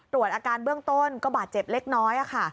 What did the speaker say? อาการเบื้องต้นก็บาดเจ็บเล็กน้อยค่ะ